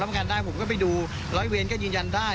รับประกันได้ผมก็ไปดู๑๐๐เวนก็ยืนยันได้